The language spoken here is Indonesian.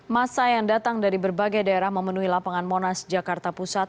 masa yang datang dari berbagai daerah memenuhi lapangan monas jakarta pusat